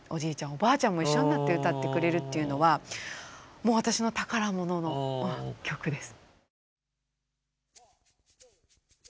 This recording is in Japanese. おばあちゃんも一緒になって歌ってくれるっていうのはもう私の宝物の曲です。